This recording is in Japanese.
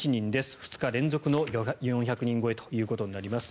２日連続の４００人超えということになります。